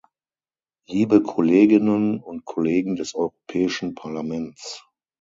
Liebe Kolleginnen und Kollegen des Europäischen Parlaments!